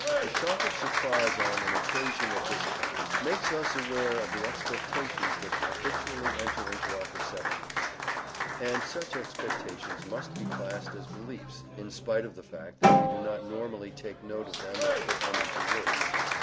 The shock of surprise on an occasion of this kind makes us aware of the expectations that habitually enter into our perceptions; and such expectations must be classed as beliefs, in spite of the fact that we do not normally take note of them or put them into words.